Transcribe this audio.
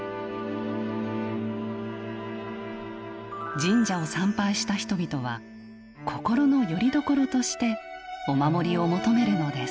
神社を参拝した人々は心のよりどころとしてお守りを求めるのです。